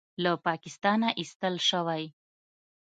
له پاکستانه ایستل شوی